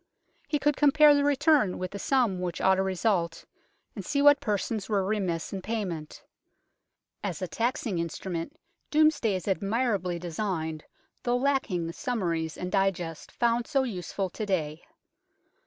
He could compare the return with the sum which ought to result, and see what persons were remiss in payment. As a taxing instrument Domesday is admirably designed, though lacking the summaries and digest found so useful to day.